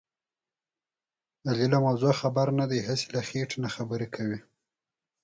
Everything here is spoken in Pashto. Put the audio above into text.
علي له موضوع خبر نه دی. هسې له خېټې نه خبرې کوي.